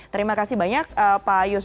terima kasih banyak pak yusuf